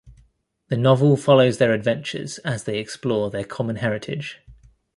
The novel follows their adventures as they explore their common heritage.